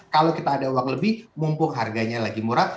kalau kita ada uang lebih mumpung harganya lagi murah